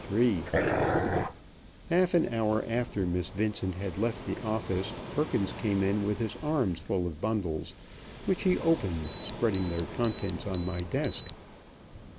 III. Half an hour after Miss Vincent had left the office, Perkins came in with his arms full of bundles, which he opened, spreading their contents on my desk.